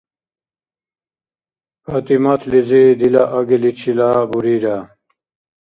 ПатӀиматлизи дила агиличила бурира.